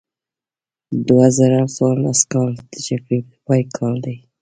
دوه زره څوارلس کال د جګړې د پای کال دی.